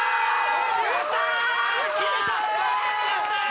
決めた！